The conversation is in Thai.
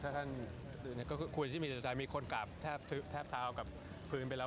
ถ้าท่านก็คุยที่มีจิตใจมีคนกราบแทบเท้ากับพื้นไปแล้ว